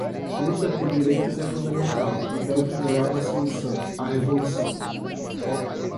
Luta por direitos é fundamental, mas deve mirar na solução, a revolução